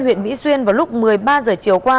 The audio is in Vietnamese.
huyện mỹ xuyên vào lúc một mươi ba h chiều qua